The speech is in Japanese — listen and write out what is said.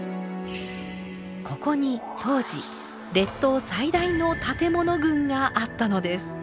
ここに当時列島最大の建物群があったのです。